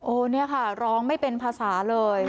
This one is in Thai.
นี่ค่ะร้องไม่เป็นภาษาเลย